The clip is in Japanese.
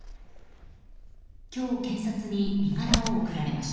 今日、検察に身柄を送られました。